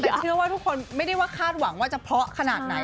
แต่เชื่อว่าทุกคนไม่ได้ว่าคาดหวังว่าจะเพราะขนาดไหน